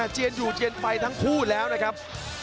เจียนอยู่เจียนไปทั้งคู่แล้วนะครับ